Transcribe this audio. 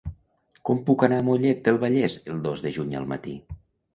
Com puc anar a Mollet del Vallès el dos de juny al matí?